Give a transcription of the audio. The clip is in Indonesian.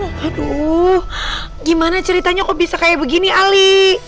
aduh gimana ceritanya kok bisa kayak begini ali